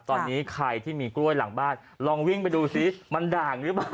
ตอนนี้ใครที่มีกล้วยหลังบ้านลองวิ่งไปดูซิมันด่างหรือเปล่า